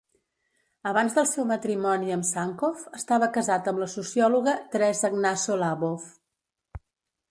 Abans del seu matrimoni amb Sankoff, estava casat amb la sociòloga Teresa Gnasso Labov.